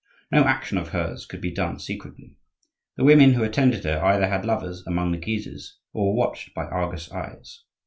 No action of hers could be done secretly. The women who attended her either had lovers among the Guises or were watched by Argus eyes.